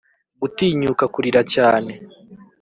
gutinyuka kurira cyane